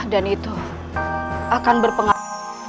dan itu akan berpengaruh